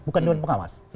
bukan dewan pengawas